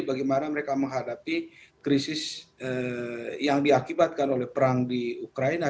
bagaimana mereka menghadapi krisis yang diakibatkan oleh perang di ukraina